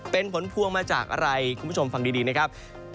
เป็นผลพวงมาจากอะไรคุณผู้ชมฟังดีนะครับ